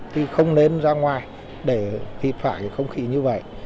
thì không nên ra ngoài để kịp phải không khí như vậy